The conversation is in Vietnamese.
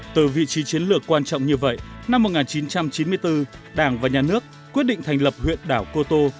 từ vị trí chiến lược quan trọng như vậy năm một nghìn chín trăm chín mươi bốn đảng và nhà nước quyết định thành lập huyện đảo cô tô